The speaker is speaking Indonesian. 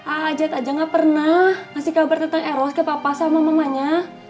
ajat aja gak pernah ngasih kabar tentang eros ke papa sama mamanya